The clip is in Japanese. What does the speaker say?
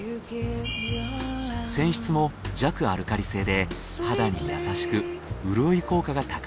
泉質も弱アルカリ性で肌に優しく潤い効果が高いと人気だそうです。